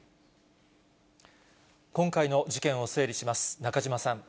今回の事件を整理します。